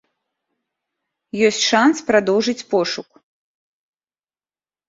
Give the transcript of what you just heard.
Ёсць шанс прадоўжыць пошук.